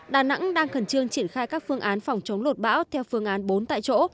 đà nẵng đang khẩn trương triển khai các phương án phòng chống lột bão theo phương án bốn tại chỗ